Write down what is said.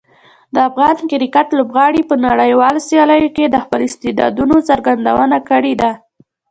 د افغان کرکټ لوبغاړي په نړیوالو سیالیو کې د خپلو استعدادونو څرګندونه کړې ده.